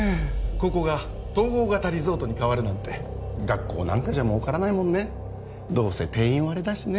ここが統合型リゾートに変わるなんて学校なんかじゃ儲からないもんねどうせ定員割れだしね